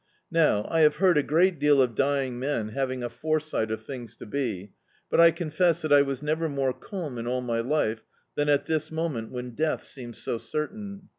Now, I have heard a great deal of dying men having a foresi^t of things to be, but, I confess, that I was never more calm in all my life than at this moment when death seemed so certain.